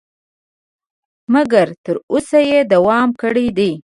مګر تر اوسه یې دوام کړی دی.